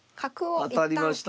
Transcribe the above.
当たりました。